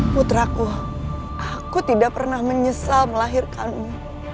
putraku aku tidak pernah menyesal melahirkanmu